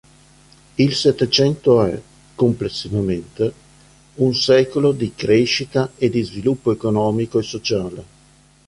Il Settecento è, complessivamente, un secolo di crescita e di sviluppo economico e sociale.